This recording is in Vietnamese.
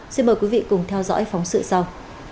xin mời quý vị cùng theo dõi phóng sự sau